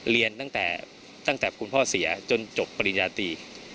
เรียนตั้งแต่คุณพ่อเสียจนจบปริญญาตี